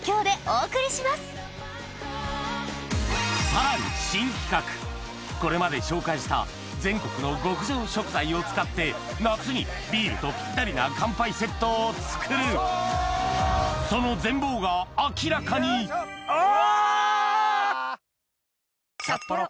さらに新企画これまで紹介した全国の極上食材を使って夏にビールとピッタリな乾杯セットを作るその全貌が明らかにお！